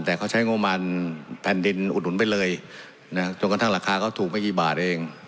แต่เขาใช้โงมันแผ่นดินอุดหุ่นไปเลยจนกระทั่งราคาก็ถูกไม่กี่บาทเอง